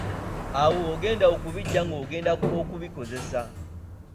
Awo w'ogenda okubijja ng‘ogenda okubikozesa.